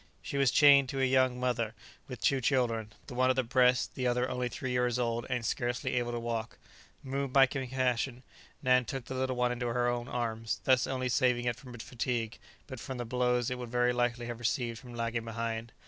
She was chained to a young mother with two children, the one at the breast, the other only three years old, and scarcely able to walk. Moved by compassion, Nan took the little one into her own arms, thus not only saving it from fatigue, but from the blows it would very likely have received for lagging behind.